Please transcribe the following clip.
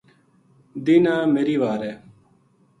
دینہا میری وار ہے